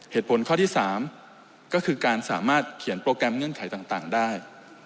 เหตุผลข้อที่๓ก็คือการสามารถเขียนโปรแกรมเงื่อนไขต่างได้